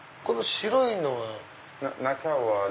この白いのは？